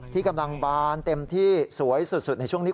ที่กำลังบานเต็มที่สวยสุดในช่วงนี้